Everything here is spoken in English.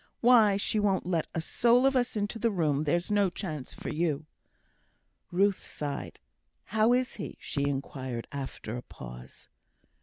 Why, she won't let a soul of us into the room; there's no chance for you!" Ruth sighed. "How is he?" she inquired, after a pause.